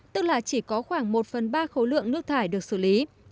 tức là chỉ có khoảng một phần ba khối lượng nước thải được xử lý